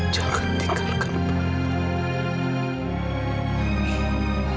jangan tinggalkan ibu